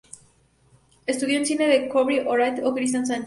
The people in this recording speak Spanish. Estudios de Cine con Kerry Oñate y Cristián Sánchez.